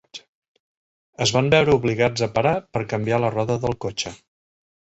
Es van veure obligats a parar per canviar la roda del cotxe.